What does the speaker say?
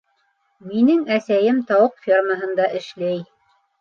- Минең әсәйем тауыҡ фермаһында эшләй.